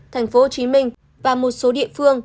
tp hồ chí minh và một số địa phương